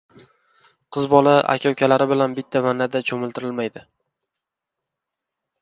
Qiz bola aka-ukalari bilan bitta vannada cho‘miltirilmaydi.